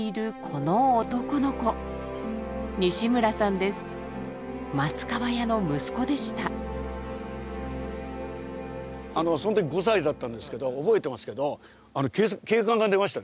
その時５歳だったんですけど覚えてますけど警官が出ましたね。